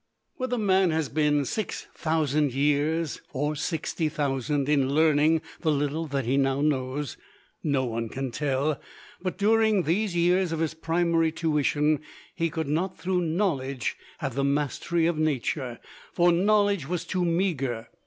Whether man has been six thousand years, or sixty thousand, in learning the little that he now knows, no one can tell; but during these years of his primary tuition he could not through knowledge have the mastery of Nature, for knowledge was too meager.